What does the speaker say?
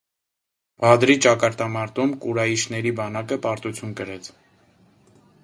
Բադրի ճակատամրտում կուրայիշտների բանակը պարտություն կրեց։